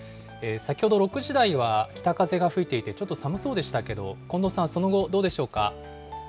先ほど６時台は北風が吹いていて、ちょっと寒そうでしたけど、近藤さん、その後、どうでしょうか。